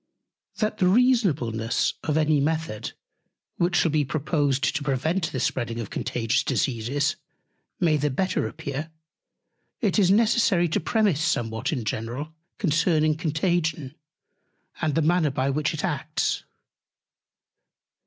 That the Reasonableness of any Method, which shall be proposed to prevent the spreading of Contagious Diseases, may the better appear, it is necessary to premise somewhat in general concerning Contagion, and the Manner, by which it acts.